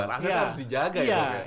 aset harus dijaga gitu